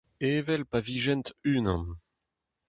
Evel pa vijent unan.